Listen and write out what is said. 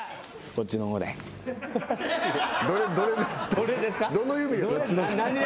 どれです？